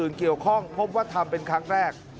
เกี่ยวข้องพบว่าทำเป็นครั้งแรก